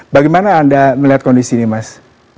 bagaimana anda melihat kondisi ini mas